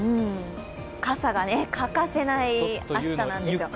傘がね、欠かせない明日なんですよ。